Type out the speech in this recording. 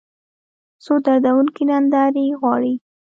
څو دردونکې نندارې غواړي